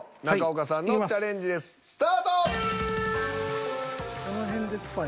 中岡さんのチャレンジです。